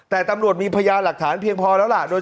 แต่ตำรวจมีพยานหลักฐานเพียงพอแล้วล่ะ